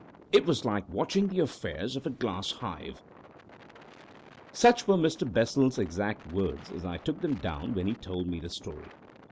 It was like watching the affairs of a glass hive." Such were Mr. Bessel's exact words as I took them down when he told me the story.